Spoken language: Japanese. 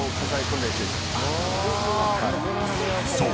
［そう。